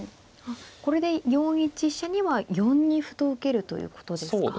これで４一飛車には４二歩と受けるということですか。